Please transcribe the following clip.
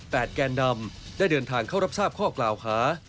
แกนนำได้เดินทางเข้ารับทราบข้อกล่าวหา